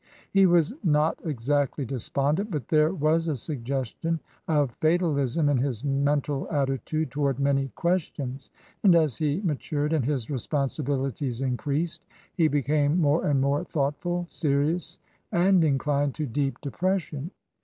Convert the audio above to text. He was not exactly despondent, but there was a suggestion of fatalism in his mental attitude toward many questions; and, as he matured and his responsi bilities increased, he became more and more thoughtful, serious, and inclined to deep deprefc 137 LINCOLN THE LAWYER sion.